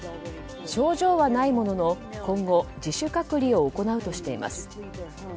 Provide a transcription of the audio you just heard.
症状はないものの今後自主隔離を行うとしています。